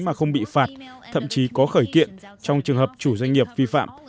mà không bị phạt thậm chí có khởi kiện trong trường hợp chủ doanh nghiệp vi phạm